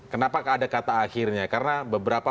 kenapa ada kata akhirnya karena beberapa